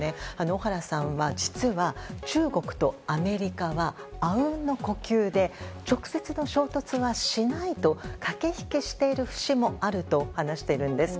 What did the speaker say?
小原さんは実は中国とアメリカは阿吽の呼吸で直接衝突はしないと駆け引きしている節もあると話しているんです。